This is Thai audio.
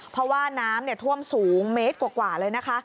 เพราะว่าน้ำท่วมสูงเมตรกว่าเลยนะคะ